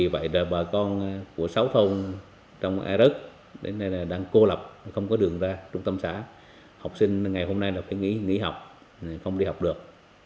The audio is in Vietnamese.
vợ con của sáu thôn trong a rất đến nay là đang cô lập không có đường ra trung tâm xã học sinh ngày hôm nay là phải nghỉ học không đi học được